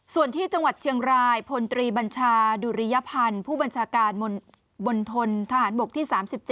ส่วนที่จังหวัดเชียงรายพลตรีบัญชาดุริยพันธ์ผู้บัญชาการบนทนทหารบกที่๓๗